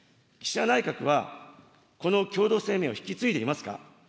岸田内閣は、この共同声明を引き継いでいますか。